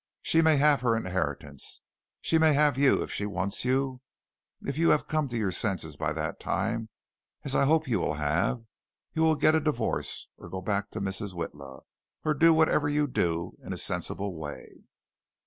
She may have her inheritance. She may have you if she wants you. If you have come to your senses by that time, as I hope you will have, you will get a divorce, or go back to Mrs. Witla, or do whatever you do in a sensible way."